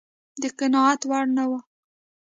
د قناعت وړ نه و.